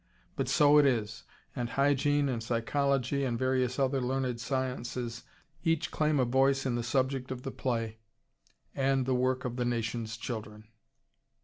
But so it is, and Hygiene and Psychology and various other learned sciences each claim a voice in the subject of the play and the work of the nation's children.